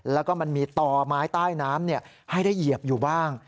แล้วก็มันมีต่อไม้ใต้น้ำให้ได้เหยียบอยู่บ้าง